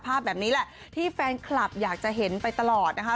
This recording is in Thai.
ภาพแบบนี้แหละที่แฟนคลับอยากจะเห็นไปตลอดนะคะ